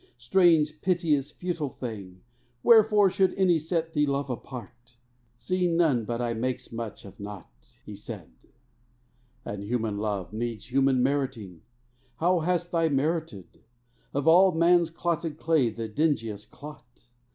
Strange, piteous, futile thing, Wherefore should any set thee love apart? Seeing none but I makes much of naught" (He said), "And human love needs human meriting: How hast thou merited Of all man's clotted clay the dingiest clot?